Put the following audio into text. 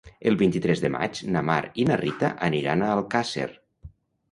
El vint-i-tres de maig na Mar i na Rita aniran a Alcàsser.